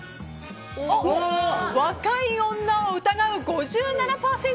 若い女を疑う、５７％。